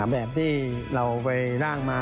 แบบที่เราเอาไว้ร่างมา